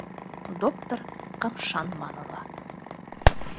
Доктор ҡымшанманы ла.